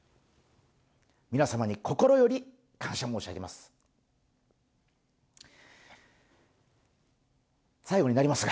皆様に心より感謝申し上げます。